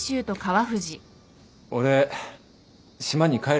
俺島に帰るわ。